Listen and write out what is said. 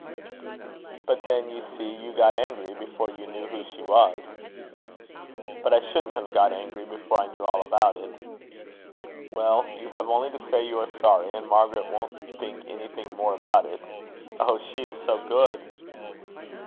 "But then, you see, you got angry before you knew who she was." "But I shouldn't have got angry before I knew all about it." "Well, you have only to say you are sorry, and Margaret won't think anything more about it. Oh, she is so good!"